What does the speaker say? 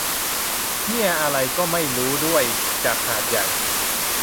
เหี้ยอะไรก็ไม่รู้ ด้วย จากหาดใหญ่